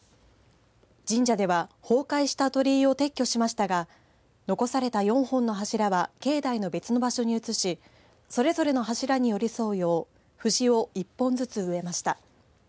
神社では崩壊した鳥居を撤去しましたが残された４本の柱は境内の別の場所に移しそれぞれの柱に寄り添うようふじを１本ずつ植えました。